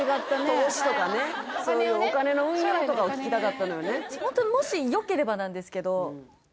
投資とかねそういうお金の運用とかを聞きたかったのよね